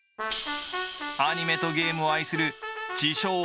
アニメとゲームを愛する自称